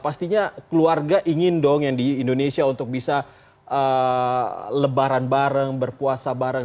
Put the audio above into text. pastinya keluarga ingin dong yang di indonesia untuk bisa lebaran bareng berpuasa bareng